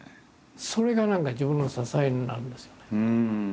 それが何か自分の支えになるんですよね。